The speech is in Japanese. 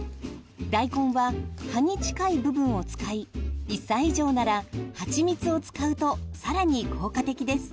大根は葉に近い部分を使い１歳以上なら蜂蜜を使うと更に効果的です。